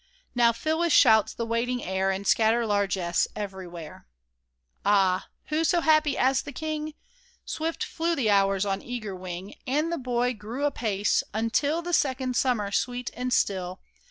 Now fill with shouts the waiting air, And scatter largess everywhere ! Ah ! who so happy as the king ? Swift flew the hours on eager wing ; And the boy grew apace, until The second summer, sweet and still.